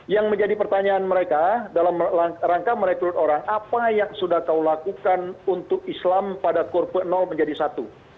yang menjadi pertanyaan mereka dalam rangka merekrut orang apa yang sudah kau lakukan untuk islam pada kurva menjadi satu